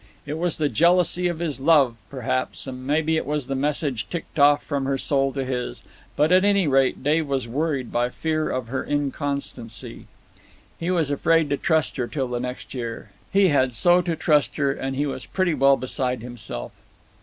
It was the jealousy of his love, perhaps, and maybe it was the message ticked off from her soul to his; but at any rate Dave was worried by fear of her inconstancy. He was afraid to trust her till the next year, he had so to trust her, and he was pretty well beside himself.